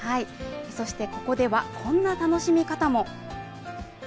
そして、ここでは、こんな楽しみ方も。